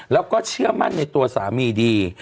แล้วก็เชื่อมั่นในตัวสามีดี